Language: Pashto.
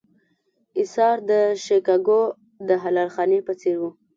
اېثار د شیکاګو د حلال خانې په څېر و.